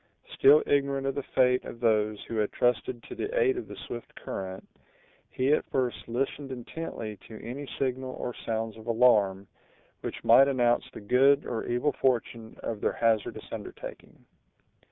Still ignorant of the fate of those who had trusted to the aid of the swift current, he at first listened intently to any signal or sounds of alarm, which might announce the good or evil fortune of their hazardous undertaking.